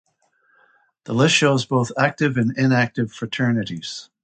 The list shows both active and inactive fraternities.